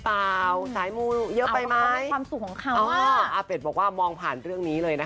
อาเบ็ดบอกว่ามองผ่านเรื่องนี้เลยนะคะ